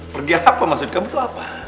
pergi apa maksud kamu itu apa